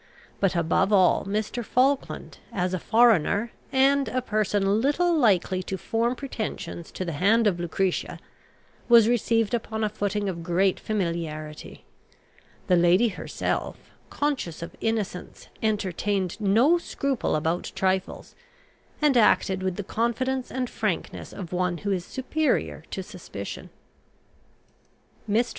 But, above all, Mr. Falkland, as a foreigner, and a person little likely to form pretensions to the hand of Lucretia, was received upon a footing of great familiarity. The lady herself, conscious of innocence, entertained no scruple about trifles, and acted with the confidence and frankness of one who is superior to suspicion. Mr.